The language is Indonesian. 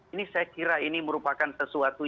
ini saya kira ini merupakan sesuatu